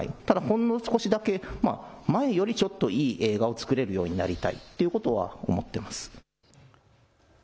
ただほんの少しだけ前よりちょっといい映画を作れるようになりたいということは思っています。